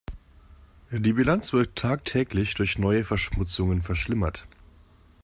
Die Bilanz wird tagtäglich durch neue Verschmutzungen verschlimmert.